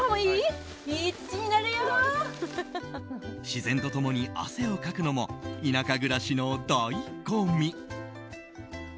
自然と共に汗をかくのも田舎暮らしの醍醐味。